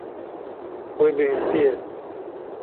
Wê bihîstiye.